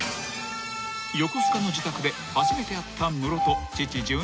［横須賀の自宅で初めて会ったムロと父純一郎］